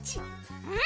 うん。